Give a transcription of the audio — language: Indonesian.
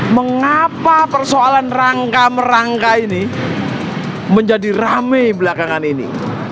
mengapa persoalan rangka merangka ini menjadi rame belakangan ini